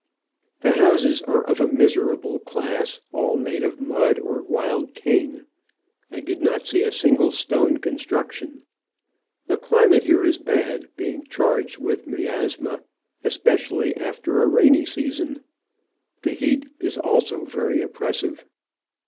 The houses are of a miserable class, all made of mud or wild cane ; I did not see a single stone Digitized by VjOOQIC OF AN Orchid Hunter, 6i construction. The climate here is bad, being charged with miasma, especially after the rainy season. The heat is also very oppressive.